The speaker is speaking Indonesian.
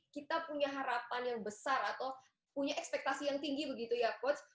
kita punya harapan yang besar atau punya ekspektasi yang tinggi begitu ya coach